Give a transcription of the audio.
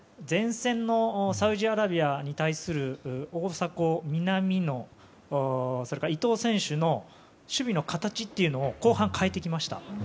前線のサウジアラビアに対する大迫、南野、それから伊東選手の守備の形というのを後半、変えてきました。